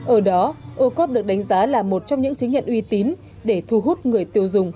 ở đó ô cốt được đánh giá là một trong những chứng nhận uy tín để thu hút người tiêu dùng